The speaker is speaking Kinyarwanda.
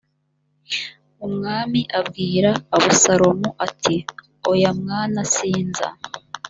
umwami abwira abusalomu ati oya mwana sinza